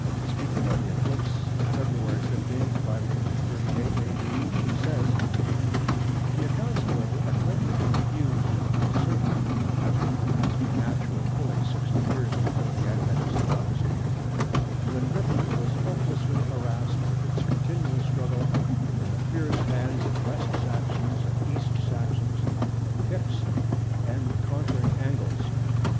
Speaking of the eclipse of February 15, 538 A.D., she says:—"The accounts, however, are greatly confused and uncertain, as would perhaps be natural fully 60 years before the advent of St. Augustine, and when Britain was helplessly harassed with its continual struggle in the fierce hands of West Saxons and East Saxons, of Picts and conquering Angles.